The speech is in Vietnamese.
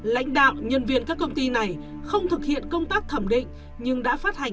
lãnh đạo nhân viên các công ty này không thực hiện công tác thẩm định nhưng đã phát hành